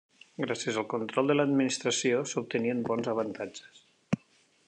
Gràcies al control de l'administració s'obtenien bons avantatges.